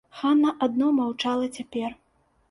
Хана адно маўчала цяпер.